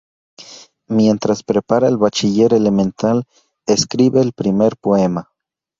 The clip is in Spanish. Mientras prepara el bachiller elemental, escribe el primer poema.